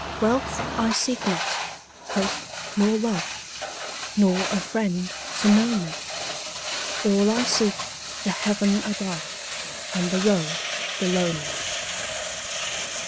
Wealth I seek not, hope nor love, Nor a friend to know me; All I seek, the heaven above And the road below me.